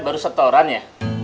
baru setoran ya